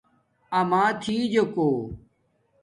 اماتھی جُوکو